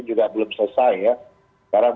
juga belum selesai ya sekarang